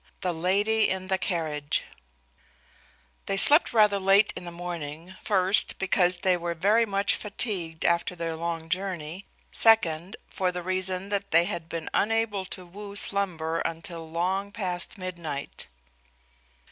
THE LADY IN THE CARRIAGE They slept rather late in the morning, first because they were very much fatigued after their long journey, second for the reason that they had been unable to woo slumber until long past midnight.